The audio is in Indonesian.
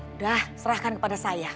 udah serahkan kepada saya